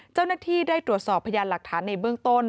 เจ้าหน้าที่ได้ตรวจสอบพยานหลักฐานในเบื้องต้น